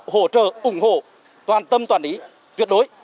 hỗ trợ ủng hộ toàn tâm toàn ý tuyệt đối